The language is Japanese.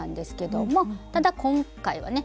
ただ今回はね